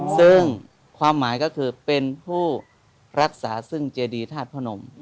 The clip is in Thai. ซึ่งความหมายก็คือเป็นรักษาซึ่งเจดีภาพนม